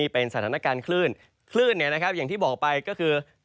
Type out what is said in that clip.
เป็นสถานการณ์คลื่นคลื่นเนี่ยนะครับอย่างที่บอกไปก็คือ